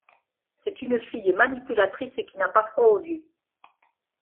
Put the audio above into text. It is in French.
C'est une fille manipulatrice qui n'a pas froid aux yeux.